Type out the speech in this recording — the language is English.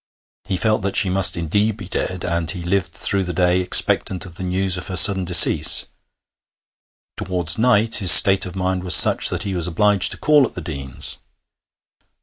He felt that she must indeed be dead, and he lived through the day expectant of the news of her sudden decease. Towards night his state of mind was such that he was obliged to call at the Deanes'.